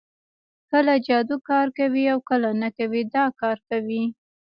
کله جادو کار کوي او کله نه کوي دا کار کوي